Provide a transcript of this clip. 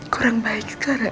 kurang baik sekarang